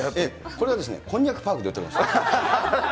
これはですね、こんにゃくパークで売ってます。